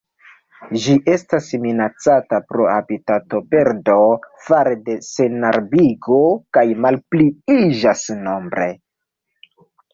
Ĝi estas minacata pro habitatoperdo fare de senarbarigo kaj malpliiĝas nombre.